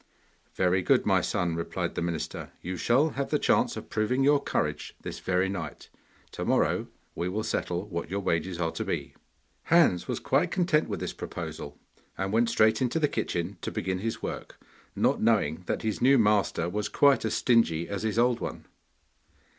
'Very good, my son,' replied the minister, 'you shall have the chance of proving your courage this very night. To morrow we will settle what your wages are to be.' Hans was quite content with this proposal, and went straight into the kitchen to begin his work, not knowing that his new master was quite as stingy as his old one.